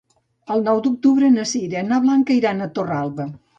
El nou d'octubre na Sira i na Blanca iran a Torralba.